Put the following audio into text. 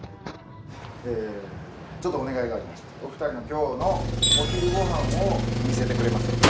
ちょっとお願いがありましてお二人の今日のお昼ご飯を見せてくれませんか？